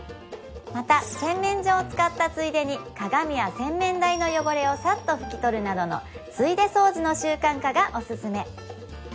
また洗面所を使ったついでに鏡や洗面台の汚れをさっと拭き取るなどのついで掃除の習慣化がオススメ